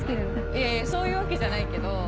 いやいやそういうわけじゃないけど。